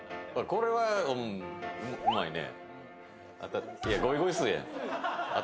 これはうまいね。